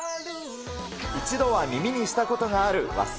一度は耳にしたことがある勿忘。